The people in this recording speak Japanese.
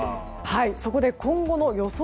そこで今後の予想